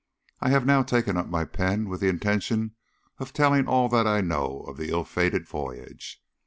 I have now taken up my pen with the intention of telling all that I know of the ill fated voyage.